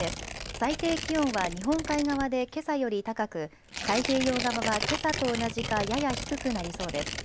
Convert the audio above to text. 最低気温は日本海側でけさより高く太平洋側はけさと同じかやや低くなりそうです。